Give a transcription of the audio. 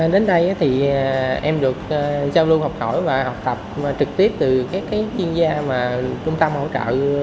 đến đây thì em được giao lưu học hỏi và học tập trực tiếp từ các chuyên gia mà trung tâm hỗ trợ